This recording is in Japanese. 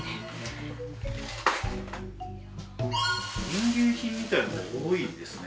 民芸品みたいのが多いですね。